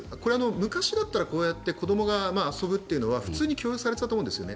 昔だったらこうやって子どもが遊ぶというのは普通に許容されていたと思うんですね。